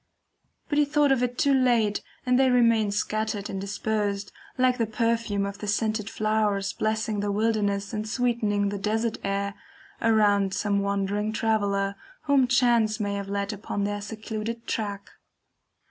But he thought of it too late, and they remain scattered and dispersed, like the perfume of the scented flowers blessing the wilderness and sweetening the "desert air" around some wandering traveller, whom chance may have led upon their secluded track.